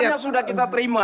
catatannya sudah kita terima